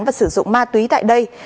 và sử dụng ma túy tại đây